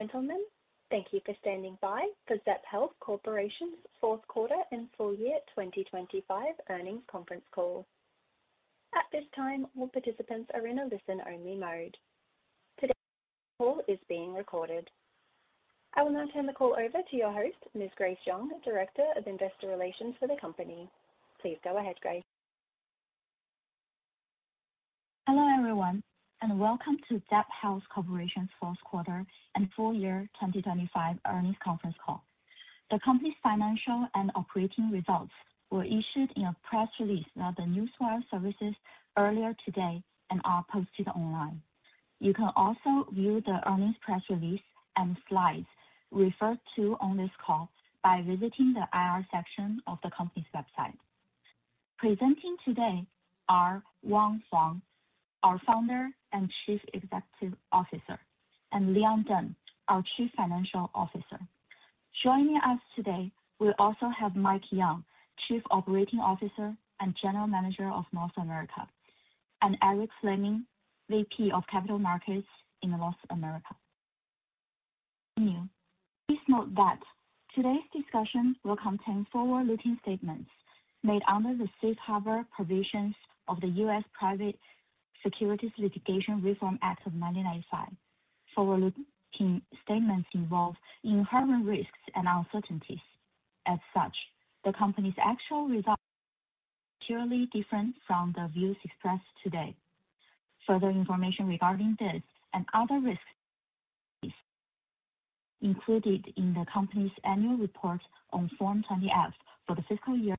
Gentlemen, thank you for standing by for Zepp Health Corporation's Fourth Quarter and Full Year 2025 Earnings Conference Call. At this time, all participants are in a listen-only mode. Today's call is being recorded. I will now turn the call over to your host, Ms. Grace Zhang, Director of Investor Relations for the company. Please go ahead, Grace. Hello, everyone, and welcome to Zepp Health Corporation's Fourth Quarter and Full Year 2025 Earnings Conference Call. The company's financial and operating results were issued in a press release via the Newswire services earlier today and are posted online. You can also view the earnings press release and slides referred to on this call by visiting the IR section of the company's website. Presenting today are Wang Huang, our Founder and Chief Executive Officer, and Leon Deng, our Chief Financial Officer. Joining us today, we'll also have Mike Yeung, Chief Operating Officer and General Manager of North America, and Eric Fleming, VP of Capital Markets in North America. Please note that today's discussion will contain forward-looking statements made under the safe harbor provisions of the U.S. Private Securities Litigation Reform Act of 1995. Forward-looking statements involve inherent risks and uncertainties. As such, the company's actual results could differ materially from the views expressed today. Further information regarding this and other risks is included in the company's annual report on Form 20-F for the fiscal year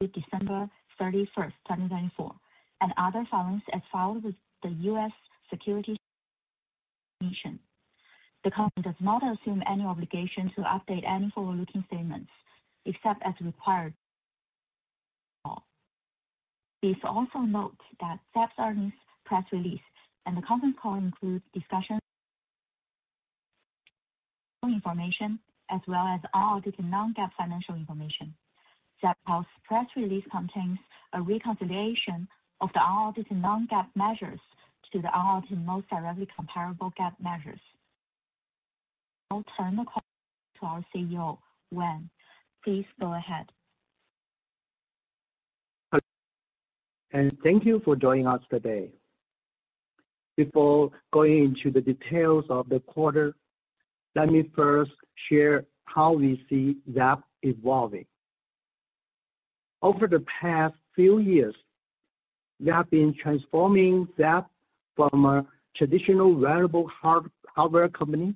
December 31st, 2024, and other filings filed with the U.S. Securities and Exchange Commission. The company does not assume any obligation to update any forward-looking statements except as required by law. Please also note that Zepp's earnings press release and the conference call include forward-looking information as well as our non-GAAP financial information. Zepp Health's press release contains a reconciliation of the audited non-GAAP measures to the audited most directly comparable GAAP measures. I'll turn the call to our CEO, Wang Huang. Please go ahead. Thank you for joining us today. Before going into the details of the quarter, let me first share how we see Zepp evolving. Over the past few years, we have been transforming Zepp from a traditional wearable hardware company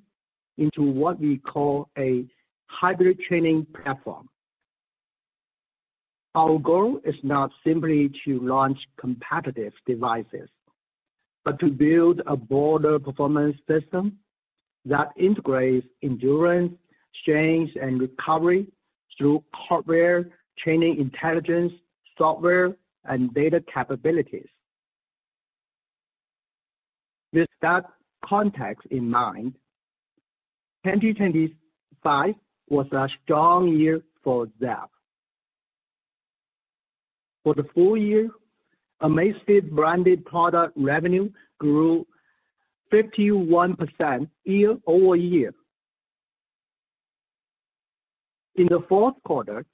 into what we call a hybrid training platform. Our goal is not simply to launch competitive devices, but to build a broader performance system that integrates endurance, strength, and recovery through hardware, training intelligence, software, and data capabilities. With that context in mind, 2025 was a strong year for Zepp. For the full year, Amazfit branded product revenue grew 51% year-over-year. In the fourth quarter,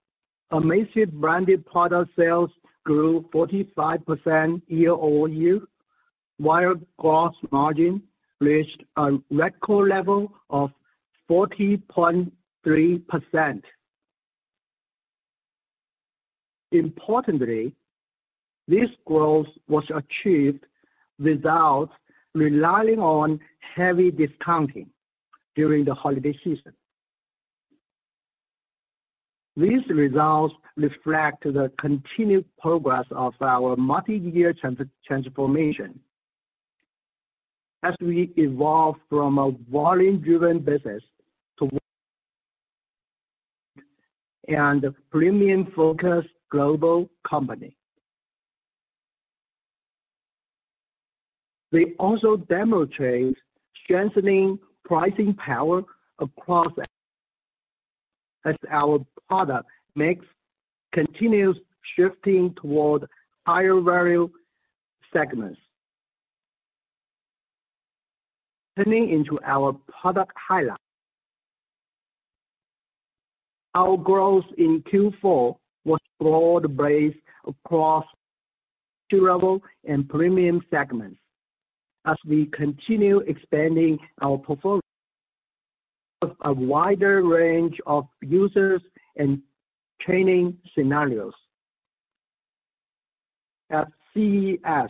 Amazfit branded product sales grew 45% year-over-year, while gross margin reached a record level of 40.3%. Importantly, this growth was achieved without relying on heavy discounting during the holiday season. These results reflect the continued progress of our multi-year transformation as we evolve from a volume-driven business to a premium-focused global company. They also demonstrate strengthening pricing power across our product mix as it continues shifting toward higher value segments. Turning to our product highlights. Our growth in Q4 was broad-based across entry-level and premium segments as we continue expanding our portfolio to a wider range of users and training scenarios. At CES,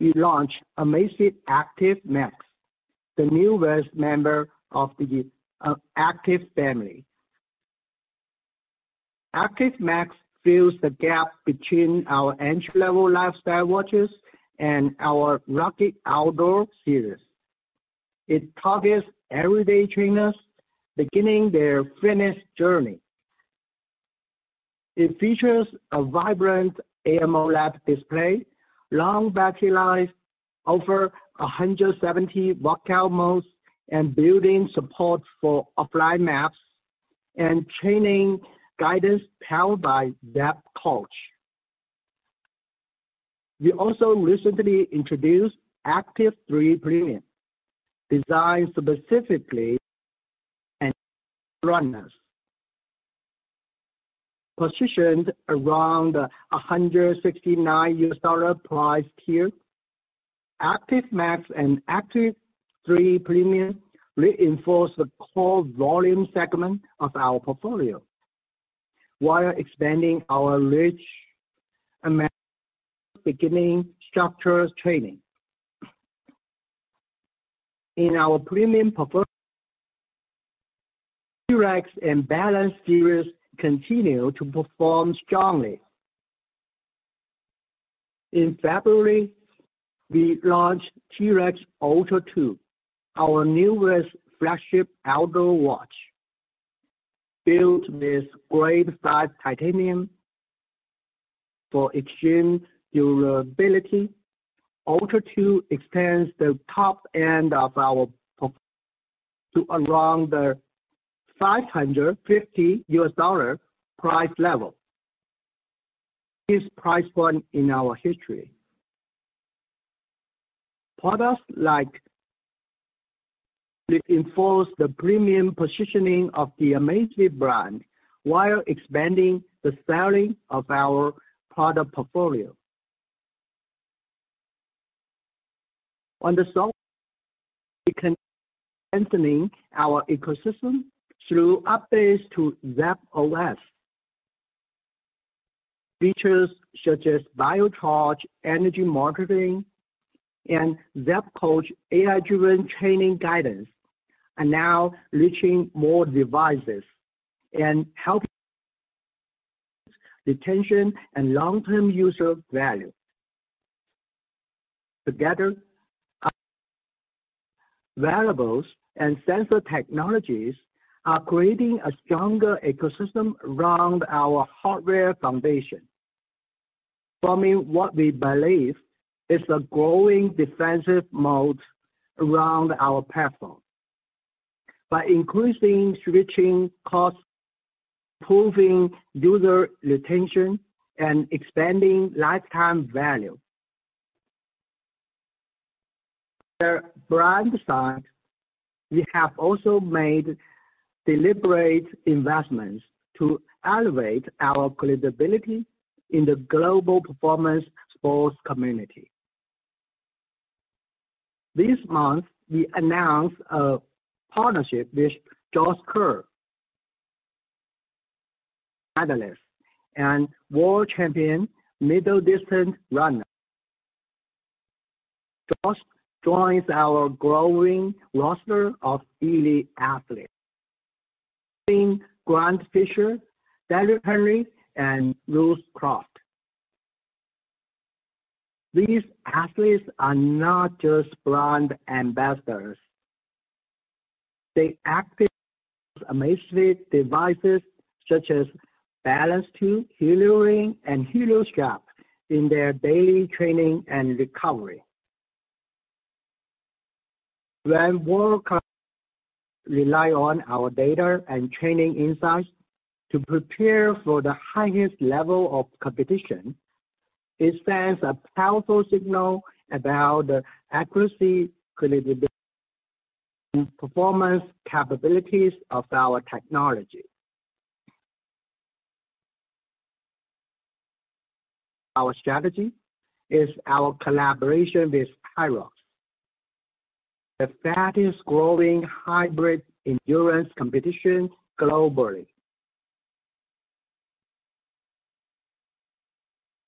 we launched Amazfit Active Max, the newest member of the Active family. Active Max fills the gap between our entry-level lifestyle watches and our rugged outdoor series. It targets everyday trainers beginning their fitness journey. It features a vibrant AMOLED display, long battery life over 170 workout modes, and built-in support for offline maps and training guidance powered by Zepp Coach. We also recently introduced Active 3 Premium, designed specifically for runners. Positioned around a $169 price tier, Active Max and Active 3 Premium reinforce the core volume segment of our portfolio, while expanding our reach into structured training. In our premium performance, T-Rex and Balance series continue to perform strongly. In February, we launched T-Rex Ultra 2, our newest flagship outdoor watch. Built with grade 5 titanium for extreme durability, Ultra 2 extends the top end of our portfolio to around the $550 price level. This price point is new in our history. Products like this reinforce the premium positioning of the Amazfit brand while expanding the ceiling of our product portfolio. On the software, we continue strengthening our ecosystem through updates to Zepp OS. Features such as BioCharge energy monitoring and Zepp Coach AI-driven training guidance are now reaching more devices and helping retention and long-term user value. Together, variables and sensor technologies are creating a stronger ecosystem around our hardware foundation, forming what we believe is a growing defensive moat around our platform by increasing switching costs, improving user retention, and expanding lifetime value. On the brand side, we have also made deliberate investments to elevate our credibility in the global performance sports community. This month, we announced a partnership with Josh Kerr, medalist and world champion middle-distance runner. Josh joins our growing roster of elite athletes, including Grant Fisher, Tyler Andrews, and Ruth Croft. These athletes are not just brand ambassadors. They actively use Amazfit devices such as Balance 2, Helio Ring, and Helio Strap in their daily training and recovery. When world-class rely on our data and training insights to prepare for the highest level of competition, it sends a powerful signal about the accuracy, credibility, and performance capabilities of our technology. Our strategy is our collaboration with HYROX, the fastest-growing hybrid endurance competition globally.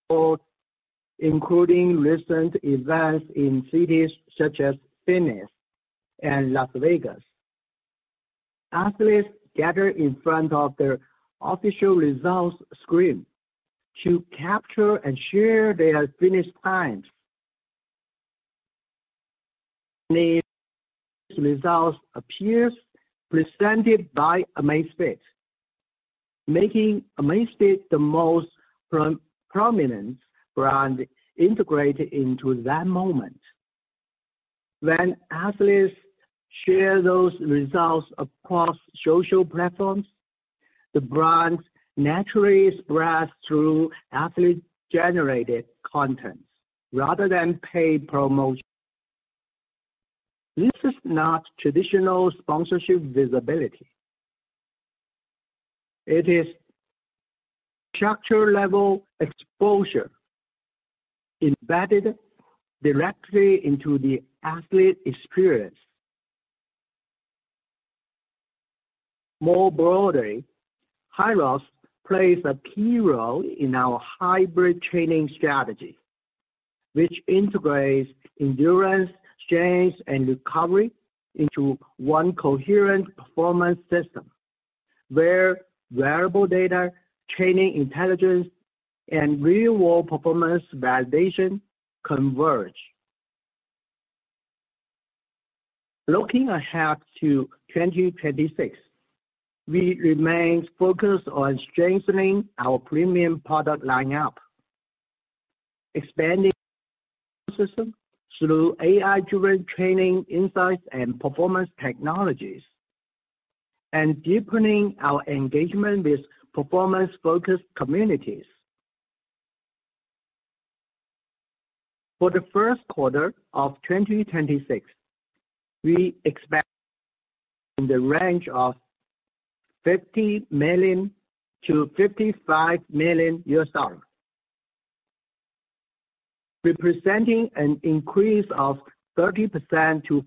Following recent events in cities such as Phoenix and Las Vegas, athletes gather in front of the official results screen to capture and share their finish times. The results are presented by Amazfit, making Amazfit the most prominent brand integrated into that moment. When athletes share those results across social platforms, the brands naturally spread through athlete-generated content rather than paid promotion. This is not traditional sponsorship visibility. It is structure-level exposure embedded directly into the athlete experience. More broadly, HYROX plays a key role in our hybrid training strategy, which integrates endurance, strength, and recovery into one coherent performance system where wearable data, training intelligence, and real-world performance validation converge. Looking ahead to 2026, we remain focused on strengthening our premium product lineup, expanding ecosystem through AI-driven training insights and performance technologies. Deepening our engagement with performance-focused communities. For the first quarter of 2026, we expect in the range of $50 million-$55 million. Representing an increase of 30%-40%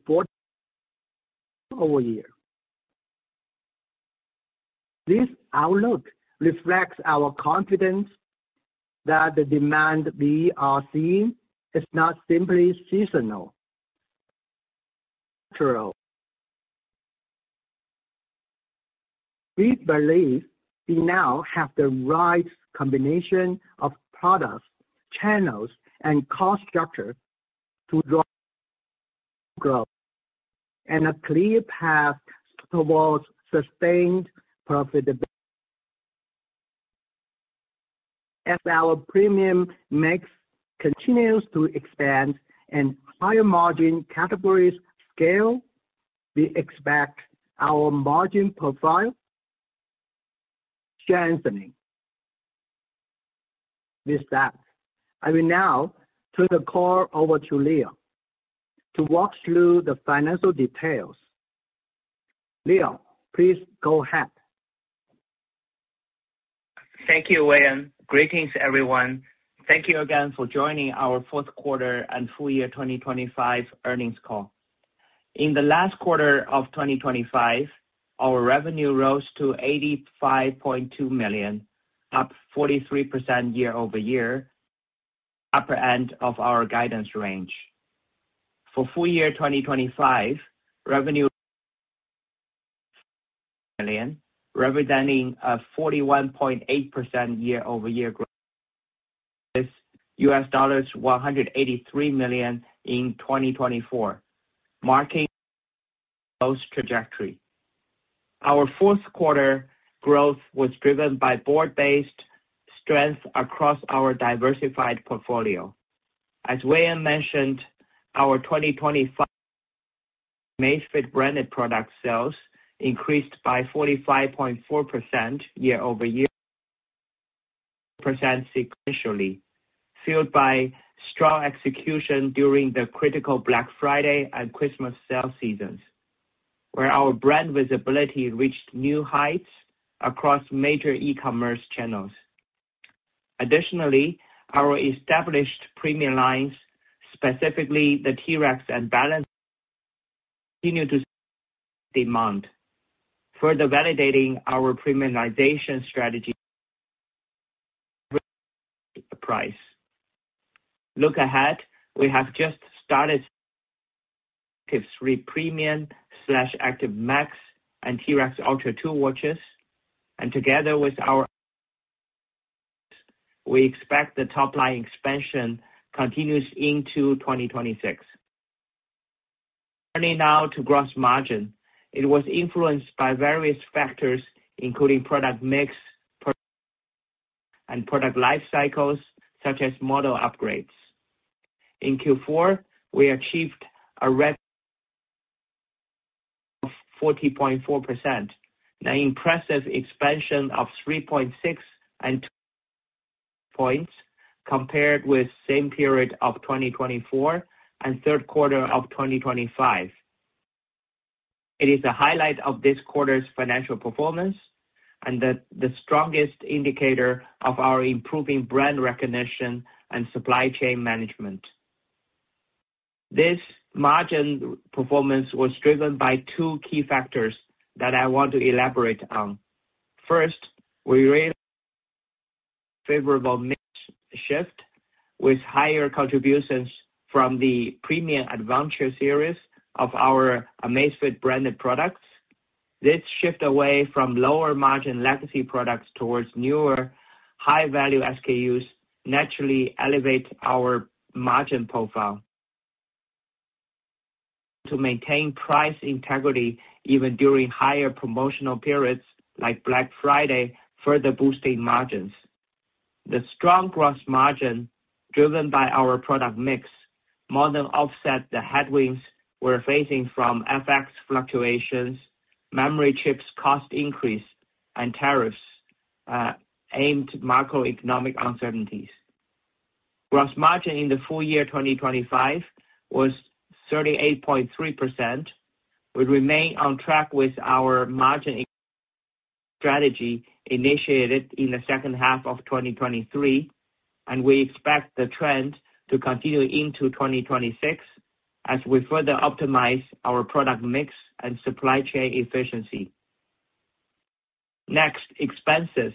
year-over-year. This outlook reflects our confidence that the demand we are seeing is not simply seasonal. We believe we now have the right combination of products, channels, and cost structure to drive growth and a clear path towards sustained profitability. As our premium mix continues to expand and higher margin categories scale, we expect our margin profile strengthening. With that, I will now turn the call over to Leon to walk through the financial details. Leon, please go ahead. Thank you, Wang Huang. Greetings, everyone. Thank you again for joining our fourth quarter and full year 2025 earnings call. In the last quarter of 2025, our revenue rose to $85.2 million, up 43% year-over-year, upper end of our guidance range. For full year 2025, revenue million, representing a 41.8% year-over-year growth. This $183 million in 2024, marking this trajectory. Our fourth quarter growth was driven by broad-based strength across our diversified portfolio. As Wang Huang mentioned, our 2025 Amazfit branded product sales increased by 45.4% year-over-year, percent sequentially, fueled by strong execution during the critical Black Friday and Christmas sale seasons, where our brand visibility reached new heights across major e-commerce channels. Additionally, our established premium lines, specifically the T-Rex and Balance, continue to demand, further validating our premiumization strategy price. Looking ahead, we have just launched the Active 3 Premium, Active Max, and T-Rex Ultra 2 watches, and together with our, we expect the top line expansion continues into 2026. Turning now to gross margin. It was influenced by various factors, including product mix, and product life cycles, such as model upgrades. In Q4, we achieved 40.4%, an impressive expansion of 3.6 percentage points compared with same period of 2024 and third quarter of 2025. It is a highlight of this quarter's financial performance and the strongest indicator of our improving brand recognition and supply chain management. This margin performance was driven by two key factors that I want to elaborate on. First, a favorable mix shift with higher contributions from the Premium Adventure series of our Amazfit branded products. This shift away from lower-margin legacy products towards newer high-value SKUs naturally elevate our margin profile. To maintain price integrity even during higher promotional periods like Black Friday, further boosting margins. The strong gross margin driven by our product mix more than offset the headwinds we're facing from FX fluctuations, memory chips cost increase, and tariffs and amid macroeconomic uncertainties. Gross margin in the full year 2025 was 38.3%, will remain on track with our margin strategy initiated in the second half of 2023, and we expect the trend to continue into 2026 as we further optimize our product mix and supply chain efficiency. Next, expenses.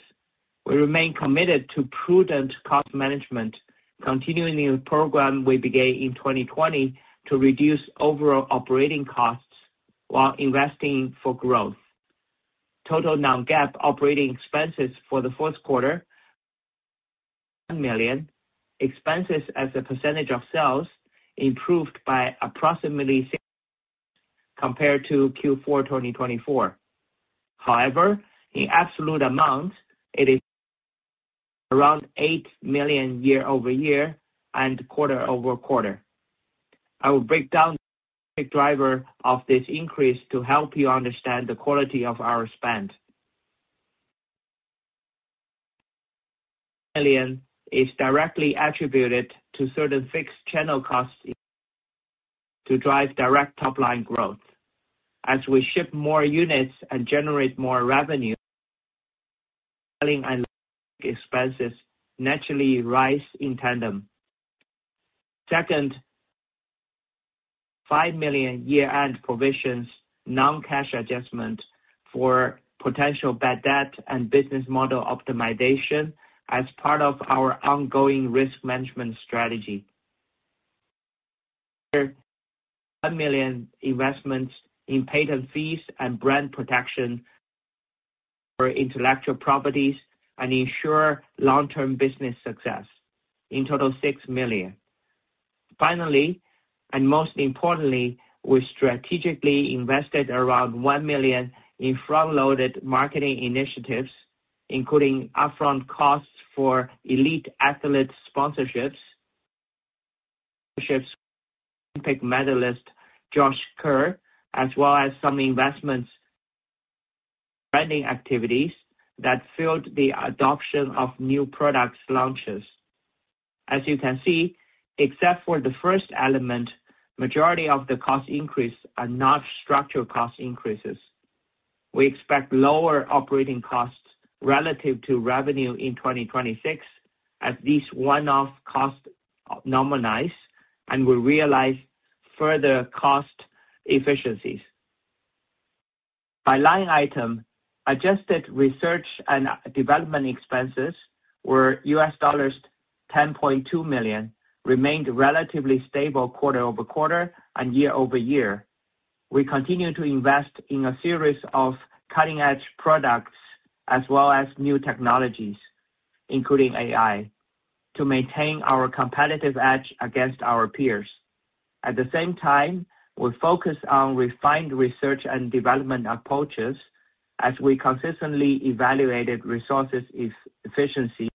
We remain committed to prudent cost management, continuing the program we began in 2020 to reduce overall operating costs while investing for growth. Total non-GAAP operating expenses for the fourth quarter million. Expenses as a percentage of sales improved by approximately compared to Q4 2024. However, in absolute amounts, it is around $8 million year-over-year and quarter-over-quarter. I will break down the driver of this increase to help you understand the quality of our spend is directly attributed to certain fixed channel costs to drive direct top-line growth. As we ship more units and generate more revenue, selling and expenses naturally rise in tandem. Second, $5 million year-end provisions, non-cash adjustment for potential bad debt and business model optimization as part of our ongoing risk management strategy. $1 million investments in patent fees and brand protection for intellectual properties and ensure long-term business success. In total, $6 million. Finally, and most importantly, we strategically invested around $1 million in front-loaded marketing initiatives, including upfront costs for elite athlete sponsorships. Olympic medalist Josh Kerr, as well as some investment branding activities that fueled the adoption of new product launches. As you can see, except for the first element, majority of the cost increase are not structural cost increases. We expect lower operating costs relative to revenue in 2026 as these one-off costs normalize, and we realize further cost efficiencies. By line item, adjusted research and development expenses were $10.2 million, remained relatively stable quarter-over-quarter and year-over-year. We continue to invest in a series of cutting-edge products as well as new technologies, including AI, to maintain our competitive edge against our peers. At the same time, we focus on refined research and development approaches as we consistently evaluated resource efficiency,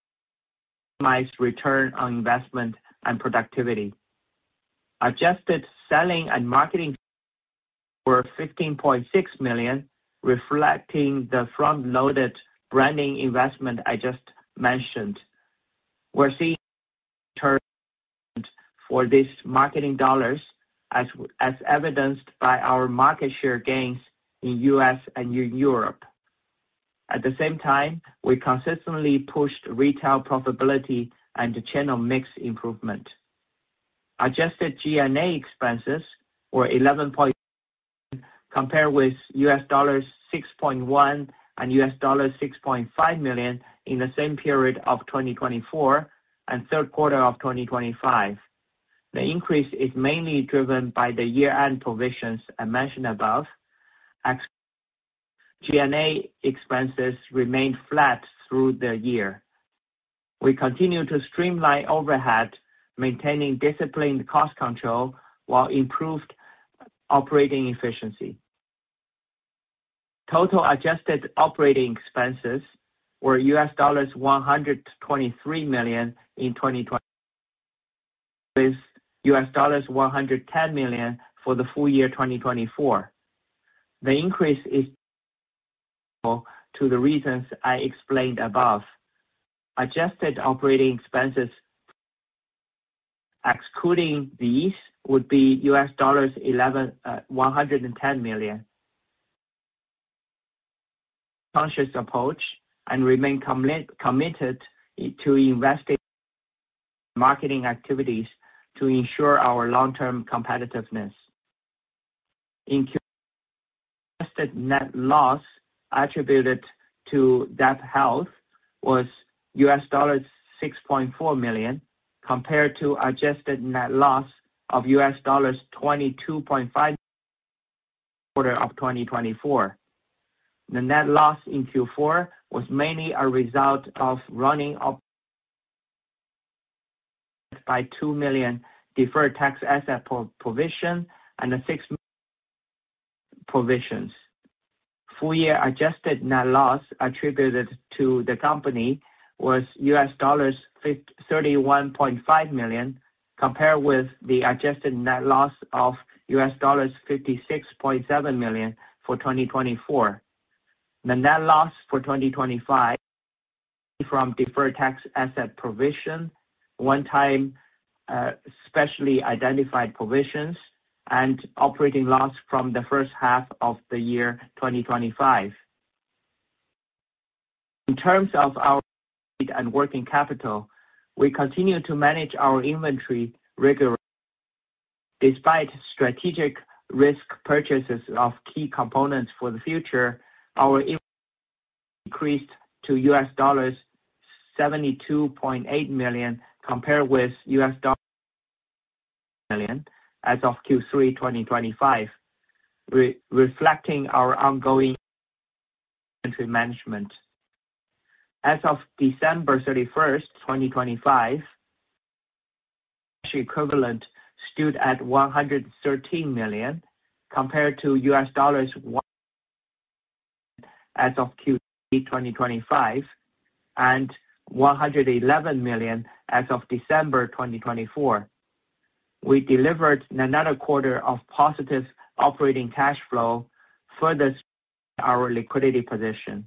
maximize return on investment and productivity. Adjusted selling and marketing were $15.6 million, reflecting the front-loaded branding investment I just mentioned. We're seeing return for these marketing dollars as evidenced by our market share gains in U.S. and Europe. At the same time, we consistently pushed retail profitability and channel mix improvement. Adjusted G&A expenses were $11.1 million compared with $6.1 million and $6.5 million in the same period of 2024 and third quarter of 2025. The increase is mainly driven by the year-end provisions I mentioned above. G&A expenses remained flat through the year. We continue to streamline overhead, maintaining disciplined cost control while improved operating efficiency. Total adjusted operating expenses were $123 million in 2025, $110 million for the full year 2024. The increase is due to the reasons I explained above. Adjusted operating expenses, excluding these, would be $110 million. We take a cautious approach and remain committed to investing in marketing activities to ensure our long-term competitiveness. Net loss attributed to Zepp Health was $6.4 million compared to adjusted net loss of $22.5 million in the quarter of 2024. The net loss in Q4 was mainly a result of a $2 million deferred tax asset provision and a $6 million provision. Full-year adjusted net loss attributed to the company was $31.5 million, compared with the adjusted net loss of $56.7 million for 2024. The net loss for 2025 from deferred tax asset provision, one-time specially identified provisions and operating loss from the first half of the year 2025. In terms of our inventory and working capital, we continue to manage our inventory rigorously. Despite strategic risk purchases of key components for the future, our inventory increased to $72.8 million compared with [$87.7] million as of Q3 2025, reflecting our ongoing management. As of December 31st, 2025, cash equivalents stood at $113 million compared to [$102.6 million] as of Q3 2025 and $111 million as of December 2024. We delivered another quarter of positive operating cash flow, further strengthening our liquidity position.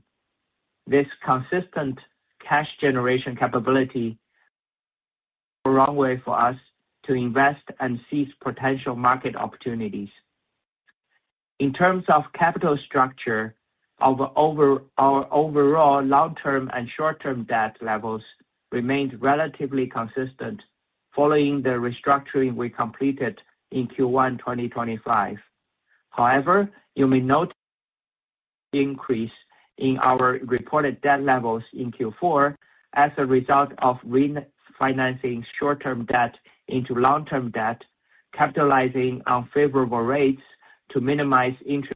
This consistent cash generation capability provides runway for us to invest and seize potential market opportunities. In terms of capital structure, our overall long-term and short-term debt levels remained relatively consistent following the restructuring we completed in Q1 2025. However, you may note increase in our reported debt levels in Q4 as a result of refinancing short-term debt into long-term debt, capitalizing on favorable rates to minimize interest.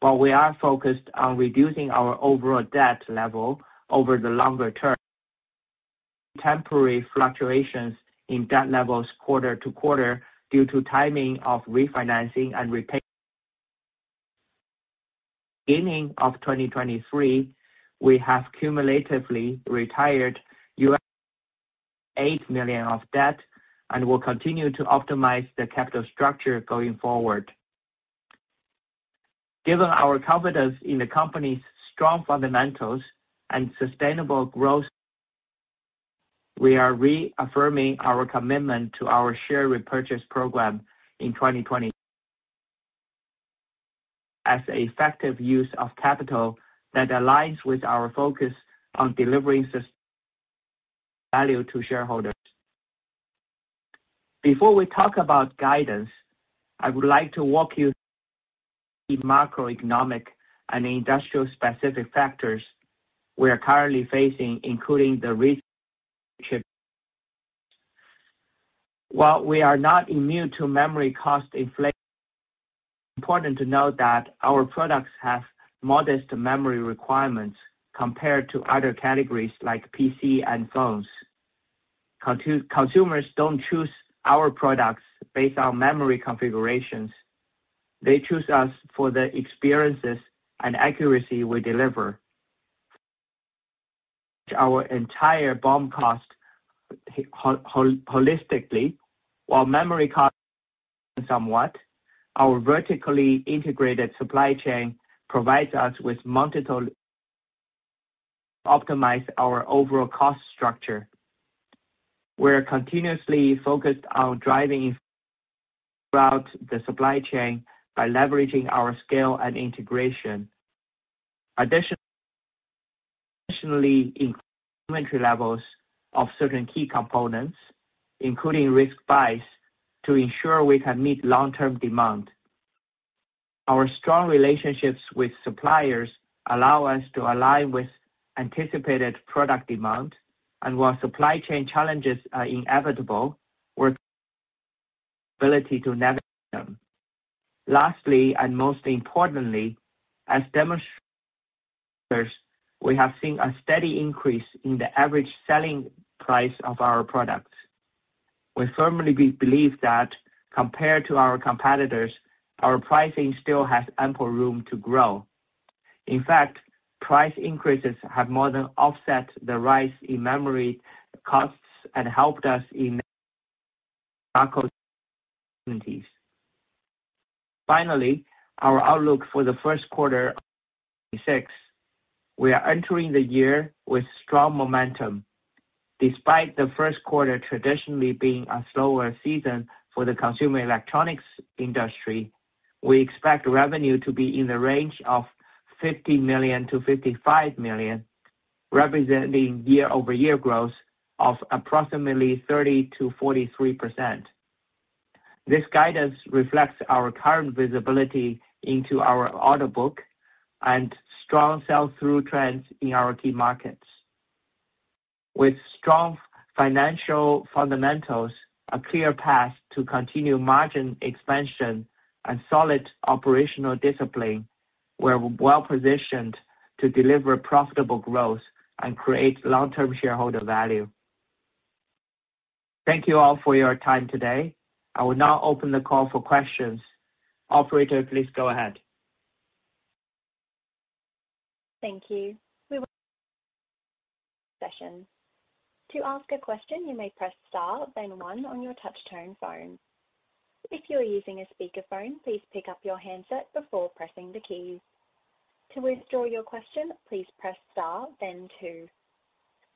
While we are focused on reducing our overall debt level over the longer term, temporary fluctuations in debt levels quarter-to-quarter due to timing of refinancing and repayments. Beginning of 2023, we have cumulatively retired $8 million of debt and will continue to optimize the capital structure going forward. Given our confidence in the company's strong fundamentals and sustainable growth, we are reaffirming our commitment to our share repurchase program in 2020. As effective use of capital that aligns with our focus on delivering value to shareholders. Before we talk about guidance, I would like to walk you through macroeconomic and industry-specific factors we are currently facing, including the chip risk. While we are not immune to memory cost inflation, it's important to note that our products have modest memory requirements compared to other categories like PC and phones. Consumers don't choose our products based on memory configurations. They choose us for the experiences and accuracy we deliver. Our entire BOM cost is managed holistically while memory costs rise somewhat. Our vertically integrated supply chain provides us with multiple ways to optimize our overall cost structure. We're continuously focused on driving efficiencies throughout the supply chain by leveraging our scale and integration. Additionally, we are building inventory levels of certain key components, including risk buys, to ensure we can meet long-term demand. Our strong relationships with suppliers allow us to align with anticipated product demand. While supply chain challenges are inevitable, our ability to navigate them. Lastly, and most importantly, as demonstrated, we have seen a steady increase in the average selling price of our products. We firmly believe that compared to our competitors, our pricing still has ample room to grow. In fact, price increases have more than offset the rise in memory costs and helped us in macro. Finally, our outlook for the first quarter of 2026. We are entering the year with strong momentum. Despite the first quarter traditionally being a slower season for the consumer electronics industry, we expect revenue to be in the range of $50 million-$55 million, representing year-over-year growth of approximately 30%-43%. This guidance reflects our current visibility into our order book and strong sell-through trends in our key markets. With strong financial fundamentals, a clear path to continued margin expansion and solid operational discipline, we're well-positioned to deliver profitable growth and create long-term shareholder value. Thank you all for your time today. I will now open the call for questions. Operator, please go ahead. Thank you. Welcome to the session. To ask a question, you may press star then one on your touch-tone phone. If you are using a speakerphone, please pick up your handset before pressing the keys. To withdraw your question, please press star then two.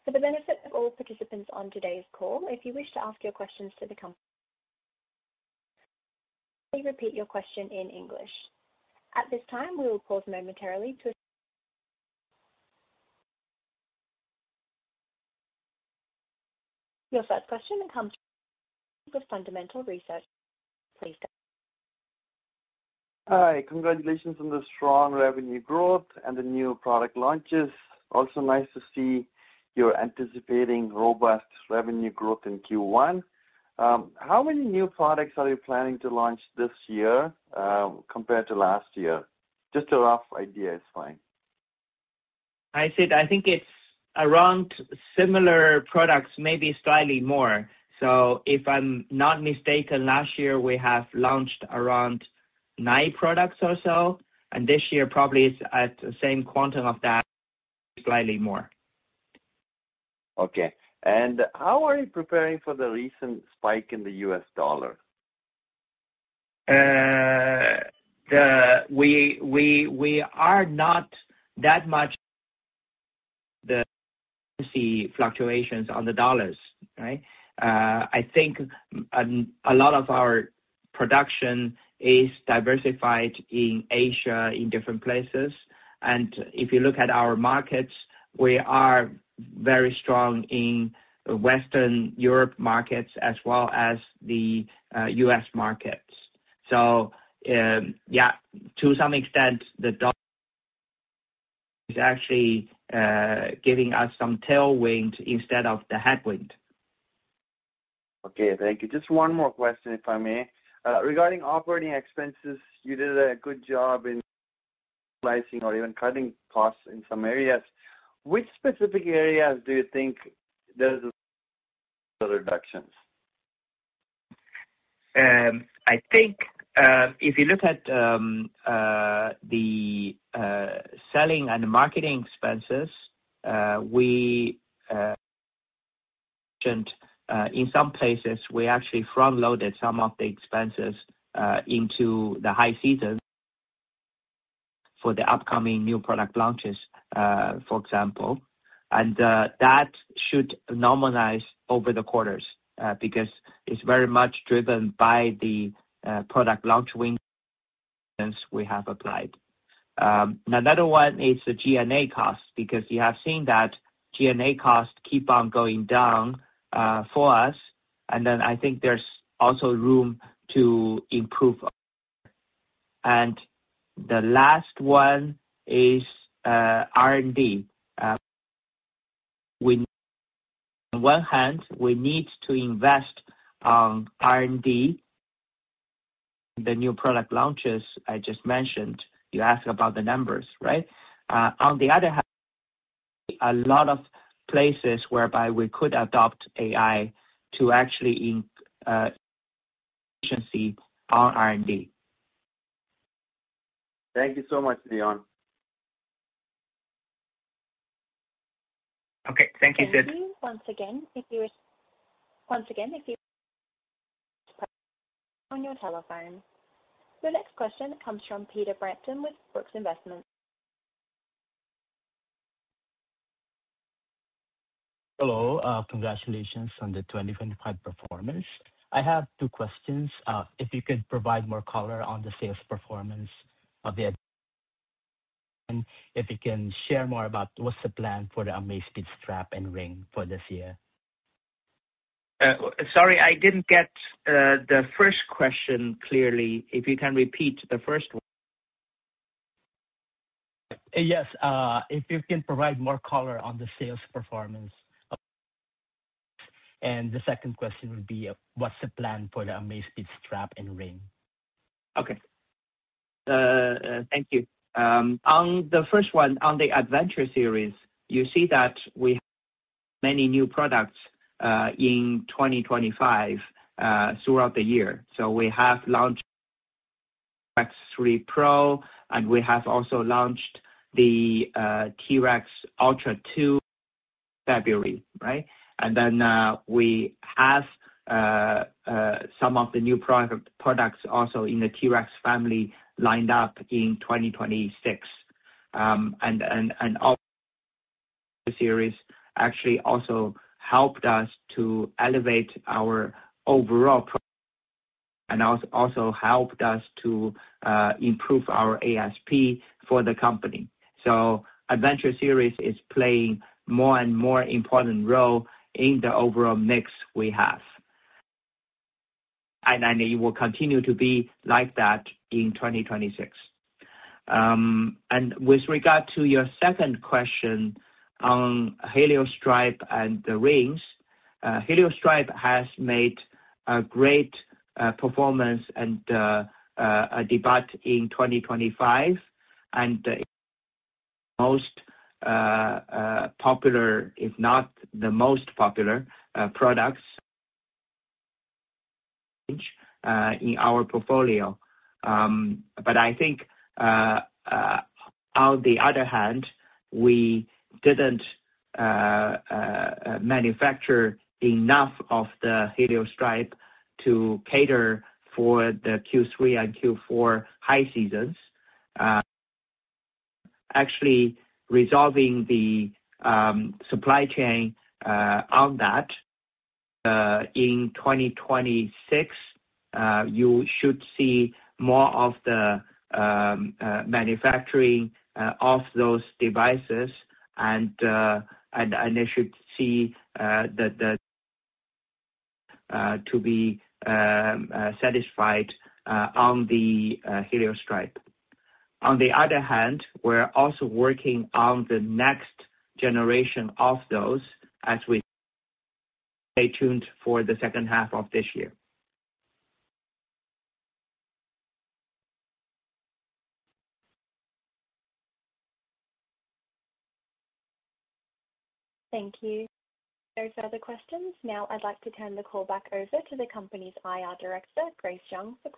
For the benefit of all participants on today's call, if you wish to ask your questions to the company, please repeat your question in English. At this time, we will pause momentarily. Your first question comes from [Sid Rajeev with] Fundamental Research. Please go ahead. Hi. Congratulations on the strong revenue growth and the new product launches. Also nice to see you're anticipating robust revenue growth in Q1. How many new products are you planning to launch this year, compared to last year? Just a rough idea is fine. I said I think it's around similar products, maybe slightly more. If I'm not mistaken, last year we have launched around nine products or so, and this year probably is at the same quantity of that, slightly more. Okay. How are you preparing for the recent spike in the U.S. dollar? We are not that much affected by the fluctuations in the dollar, right? I think a lot of our production is diversified in Asia in different places. If you look at our markets, we are very strong in Western Europe markets as well as the U.S. markets. To some extent, the dollar is actually giving us some tailwind instead of the headwind. Okay, thank you. Just one more question, if I may. Regarding operating expenses, you did a good job in slicing or even cutting costs in some areas. Which specific areas do you think there's the reductions? I think if you look at the selling and marketing expenses, in some places we actually front-loaded some of the expenses into the high seasons for the upcoming new product launches, for example. That should normalize over the quarters because it's very much driven by the product launch wins we have applied. Another one is the G&A cost, because you have seen that G&A cost keep on going down for us. Then I think there's also room to improve. The last one is R&D. On one hand, we need to invest on R&D, the new product launches I just mentioned. You asked about the numbers, right? On the other hand, a lot of places whereby we could adopt AI to actually increase efficiency on R&D. Thank you so much, Leon. Okay. Thank you, Sid. Once again, if you're on your telephone. The next question comes from Peter Branson with Brooks Investments. Hello. Congratulations on the 2025 performance. I have two questions. If you could provide more color on the sales performance. If you can share more about what's the plan for the Amazfit strap and ring for this year. Sorry, I didn't get the first question clearly. If you can repeat the first one. Yes. If you can provide more color on the sales performance. The second question would be, what's the plan for the Amazfit strap and ring? Okay. Thank you. On the first one, on the Adventure series, you see that we have many new products in 2025 throughout the year. We have launched T-Rex 3 Pro, and we have also launched the T-Rex Ultra 2 February, right? We have some of the new products also in the T-Rex family lined up in 2026. The series actually also helped us to elevate our overall ASP for the company. Adventure series is playing more and more important role in the overall mix we have. It will continue to be like that in 2026. With regard to your second question on Helio Strap and the rings. Helio Strap has made a great performance and a debut in 2025. The most popular, if not the most popular, products in our portfolio. I think on the other hand, we didn't manufacture enough of the Helio Strap to cater for the Q3 and Q4 high seasons. Actually resolving the supply chain on that in 2026, you should see more of the manufacturing of those devices, and you should see the to be satisfied on the Helio Strap. On the other hand, we're also working on the next generation of those as we stay tuned for the second half of this year. Thank you. There's no other questions. Now I'd like to turn the call back over to the company's IR Director, Grace Zhang, for closing remarks.